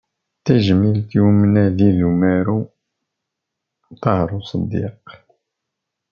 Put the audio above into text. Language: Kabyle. D tajmilt i umnadi d umaru Ṭaher Useddiq.